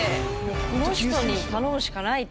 この人に頼むしかないと。